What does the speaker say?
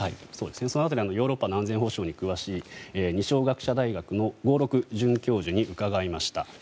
その辺りヨーロッパの安全保障に詳しい二松学舎大学の合六准教授に伺いました。